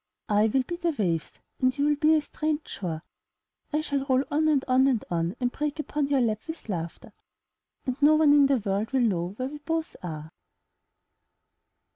I will be the waves and you will be a strange shore. I shall roll on, and on and on, and break upon your lap with laughter. And no one in the world will know where we both are.